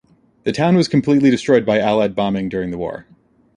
The town was completely destroyed by allied bombing during the war.